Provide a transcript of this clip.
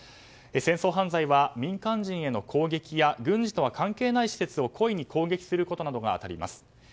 戦争犯罪は民間人への攻撃や軍事とは関係のない施設を故意に攻撃することなどが当たります。